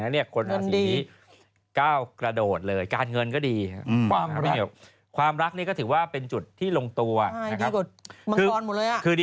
ต้องราศรีมันติดกันแต่ว่าชีวิตต่างกันเยอะ